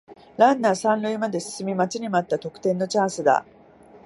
ランナー三塁まで進み待ちに待った得点のチャンスだ